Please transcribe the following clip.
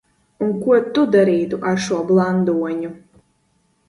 Un ko tu darītu ar šo blandoņu?